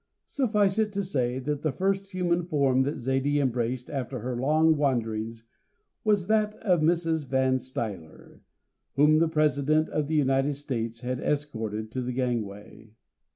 Suffice it to say that the first human form that Zaidie embraced after her long wanderings was that of Mrs. Van Stuyler, whom the President of the United States had escorted to the gangway.